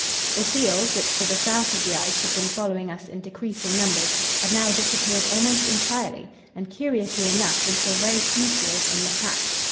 The seals, which to the south of the ice had been following us in decreasing numbers, had now disappeared almost entirely, and curiously enough we saw very few seals in the pack.